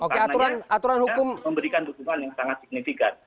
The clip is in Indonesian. karena mereka memberikan dukungan yang sangat signifikan